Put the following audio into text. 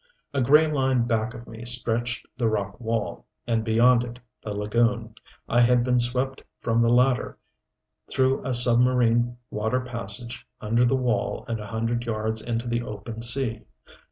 A gray line back of me stretched the rock wall, and beyond it the lagoon. I had been swept from the latter, through a submarine water passage under the wall and a hundred yards into the open sea.